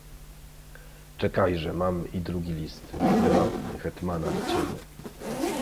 "Czekajże, mam i drugi list prywatny hetmana do ciebie."